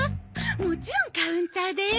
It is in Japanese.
もちろんカウンターで。